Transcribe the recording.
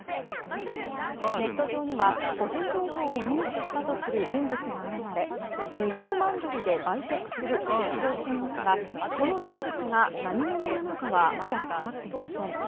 ネット上には個人情報を入手したとする人物が現れ２０万ドルで売却すると主張していますがこの人物が何者なのかはまだ分かっていません。